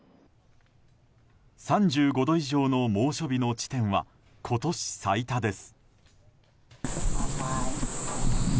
３５度以上の猛暑日の地点は今年最多です。